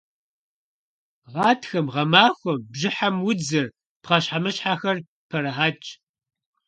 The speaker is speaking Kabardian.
Гъатхэм, гъэмахуэм, бжьыхьэм удзыр, пхъэщхьэмыщхьэхэр пэрыхьэтщ.